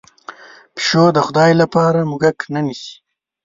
پشو د خدای لپاره موږک نه نیسي.